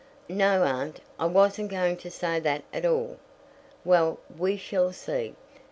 "No, aunt; I wasn't going to say that at all." "Well, we shall see.